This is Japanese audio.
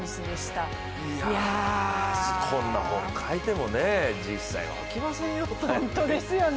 こんな本、書いても実際は起きませんよ。